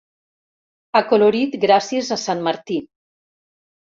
Acolorit gràcies a sant Martí.